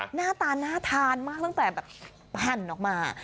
หน้าตาน่าทานมากตั้งแต่แบบหั่นออกมา